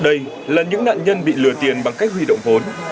đây là những nạn nhân bị lừa tiền bằng cách huy động vốn